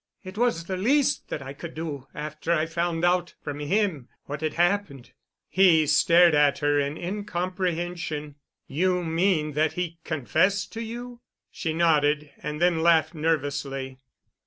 "It was the least that I could do—after I found out—from him—what had happened." He stared at her in incomprehension. "You mean that he confessed to you?" She nodded and then laughed nervously.